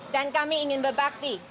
dan kami ingin berbakti